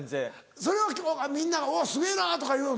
それはみんな「おっすげぇな」とか言うの？